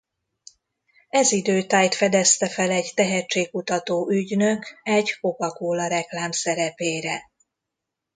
Ez idő tájt fedezte fel egy tehetségkutató ügynök egy Coca-Cola reklám szerepére.